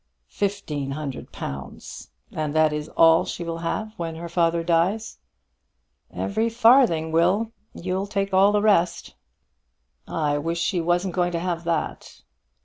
"Fifteen hundred pounds! And that is all she will have when her father dies?" "Every farthing, Will. You'll take all the rest." "I wish she wasn't going to have that."